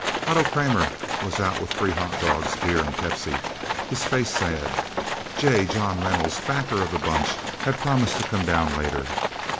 Otto Kramer was out with free hotdogs, beer and Pepsi, his face sad. J. John Reynolds, backer of the Bunch, had promised to come down, later.